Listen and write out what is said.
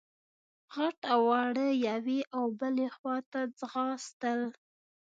غټ او واړه يوې او بلې خواته ځغاستل.